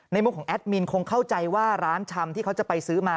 มุมของแอดมินคงเข้าใจว่าร้านชำที่เขาจะไปซื้อมา